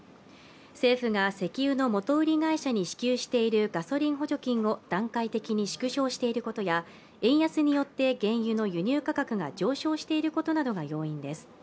政府が石油の元売り会社に支給しているガソリン補助金を、段階的に縮小していることや、円安によって原油の輸入価格が上昇していることなどが要因です。